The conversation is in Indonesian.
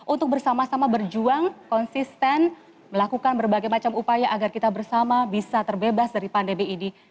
untuk bersama sama berjuang konsisten melakukan berbagai macam upaya agar kita bersama bisa terbebas dari pandemi ini